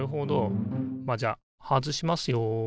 まあじゃあ外しますよ。